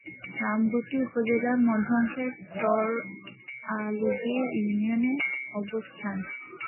রামগতি উপজেলার মধ্যাংশে চর আলগী ইউনিয়নের অবস্থান।